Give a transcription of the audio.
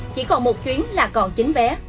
chỉ còn một chuyến là còn chín vé